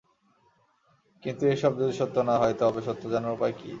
কিন্তু এসব যদি সত্য না হয়, তবে সত্য জানার উপায় কী?